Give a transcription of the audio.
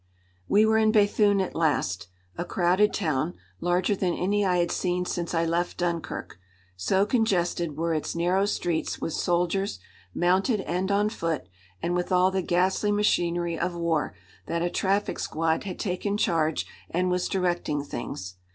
We were in Béthune at last a crowded town, larger than any I had seen since I left Dunkirk. So congested were its narrow streets with soldiers, mounted and on foot, and with all the ghastly machinery of war, that a traffic squad had taken charge and was directing things.